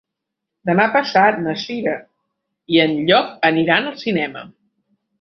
Demà passat na Cira i en Llop aniran al cinema.